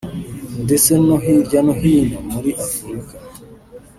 ndetse no hirya no hino muri Afurika